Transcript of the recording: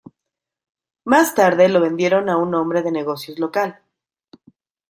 Más tarde lo vendieron a un hombre de negocios local.